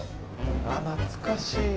あっ懐かしい。